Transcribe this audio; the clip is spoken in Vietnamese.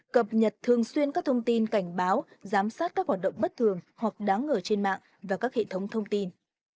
cập nhật thường xuyên các thông tin cảnh báo giám sát các hoạt động bất thường hoặc đáng ngờ trên mạng và các hệ thống thông tin